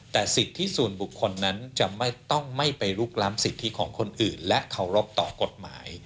แต่สิทธิส่วนบุคคลนั้นจะไม่ต้องไม่ไปลุกล้ำสิทธิของคนอื่นและเคารพต่อกฎหมาย